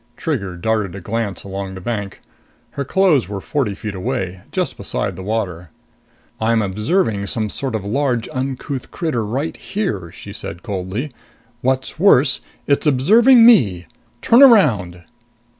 Trigger darted a glance along the bank. Her clothes were forty feet away, just beside the water. "I'm observing some sort of large, uncouth critter right here!" she said coldly. "What's worse, it's observing me. Turn around!"